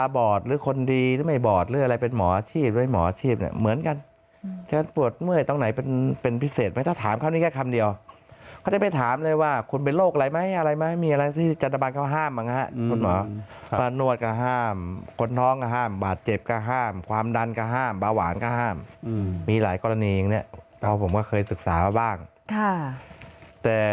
บาหวานก็ห้ามมีหลายกรณีอย่างเนี้ยเขาผมก็เคยศึกษาบ้างค่ะแต่